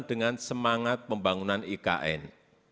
dengan semangat pembangunan ikn